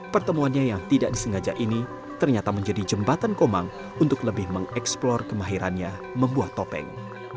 pertemuannya yang tidak disengaja ini ternyata menjadi jembatan komang untuk lebih mengeksplor kemahirannya membuat topeng